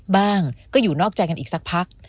บ้างก็อยู่นอกใจกันอีกสักพัก